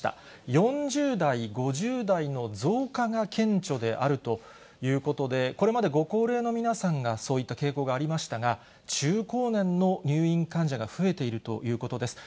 ４０代、５０代の増加が顕著であるということで、これまでご高齢の皆さんがそういった傾向がありましたが、中高年の入院患者が増えているということです。